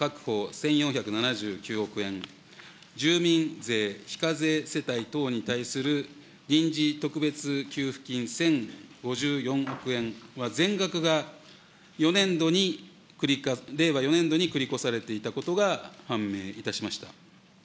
１４７９億円、住民税非課税世帯等に対する臨時特別給付金１０５４億円、全額が４年度に、令和４年度に繰り越されていたことが判明いたしました。